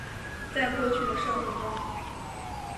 在过去的社会中。